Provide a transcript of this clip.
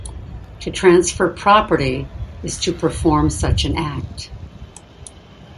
To transfer property is to perform such an act.